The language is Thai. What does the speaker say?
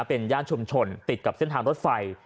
เป็นย่านชุมชนติดกับเส้นทางรถไฟ